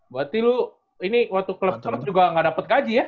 berarti lo ini waktu club trot juga gak dapet gaji ya